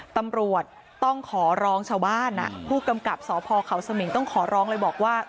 ตำรวจต้องขอร้องชาวบ้านผู้กำกับสพเขาสมิงต้องขอร้องเลยบอกว่า